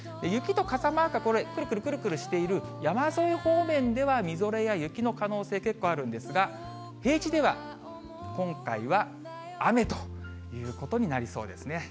雪と傘マークはこれ、くるくるくるくるしている山沿い方面では、みぞれや雪の可能性、結構あるんですが、平地では今回は雨ということになりそうですね。